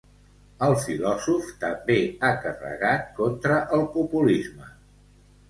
El filòsof també ha carregat contra el populisme.